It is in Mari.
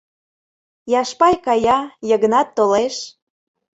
Яшпай кая, Йыгнат толеш.